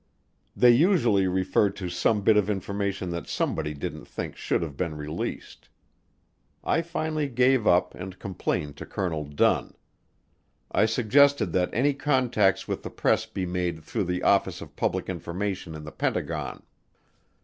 They usually referred to some bit of information that somebody didn't think should have been released. I finally gave up and complained to Colonel Dunn. I suggested that any contacts with the press be made through the Office of Public Information in the Pentagon.